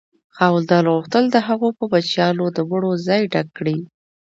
خاوندانو غوښتل د هغو په بچیانو د مړو ځای ډک کړي.